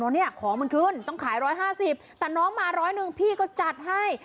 เนี่ยของมันขึ้นต้องขาย๑๕๐แต่น้องมาร้อยหนึ่งพี่ก็จัดให้